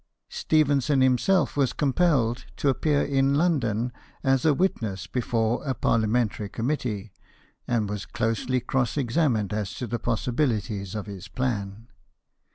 Stephenson himself was compelled to appear in London as a witness before a parliamentary committee, and was closely cross examined as to the possibilities of his plan.